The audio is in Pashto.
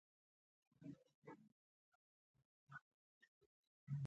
لکه چې قضایي لمونځ یې کاوه.